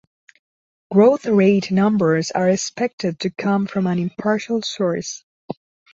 Growth rate numbers are expected to come from an impartial source.